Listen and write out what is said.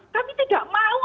kami tidak mau hanya